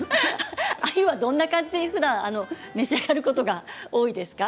鮎はどんな感じで召し上がることが多いですか。